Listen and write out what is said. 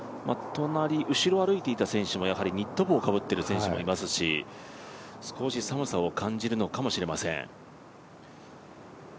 後ろを歩いていた選手もニット帽をかぶっている選手もいますし少し寒さを感じるのかもしれません。